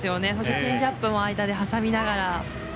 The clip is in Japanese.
チェンジアップも間に挟みながら。